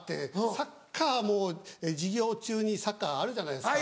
サッカーも授業中にサッカーあるじゃないですか。